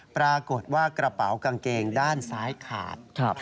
ปรากฏว่ากระเป๋ากางเกงด้านซ้ายขาด